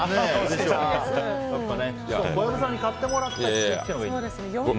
小籔さんに買ってもらえばいい。